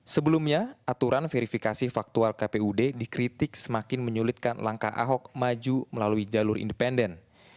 sebelumnya aturan verifikasi faktual kpud dikritik semakin menyulitkan langkah ahok maju melalui jalur independen